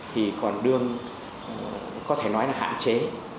thì còn đương có thể nói là hạn chế